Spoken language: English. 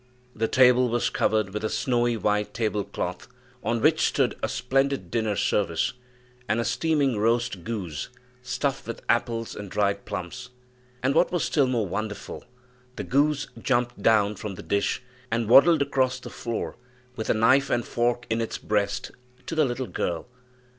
The table was covered with a snowy white table cloth, on which stood a splendid dinner service, and a steaming roast goose, stuffed with apples and dried plums. And what was still more wonderful, the goose jumped down from the dish and waddled across the floor, with a knife and fork in its breast, to the little girl.